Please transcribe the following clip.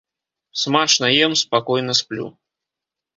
Смачна ем, спакойна сплю.